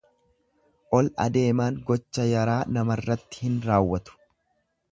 Ol adeemaan gocha yaraa namarratti hin raawwatu.